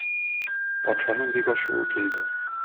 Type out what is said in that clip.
Патшаның бик ачуы килде.